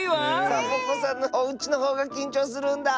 「サボ子さんのおうち」のほうがきんちょうするんだ。